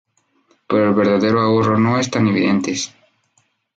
Pero el verdadero ahorro no es tan evidentes.